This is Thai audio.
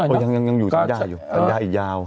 ยังอยู่ทางย่ายอยู่ย่ายยาว